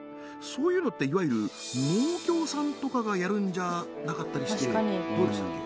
そういうのっていわゆる農協さんとかがやるんじゃなかったですっけ？